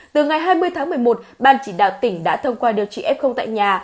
từ ngày hai mươi tháng một mươi một ban chỉ đạo tỉnh đã thông qua điều trị f tại nhà